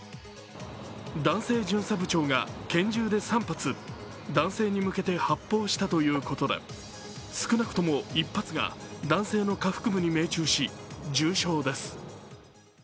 男性巡査部長が拳銃で３発、男性に向けて発砲したということで、少なくとも１発が男性の下腹部に命中し、重傷です。